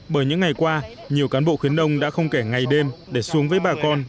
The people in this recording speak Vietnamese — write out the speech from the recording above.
bởi những ngày qua nhiều cán bộ khuyến đông đã không kể ngày đêm để xuống với bà con